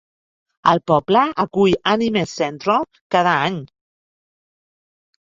El poble acull Anime Central cada any.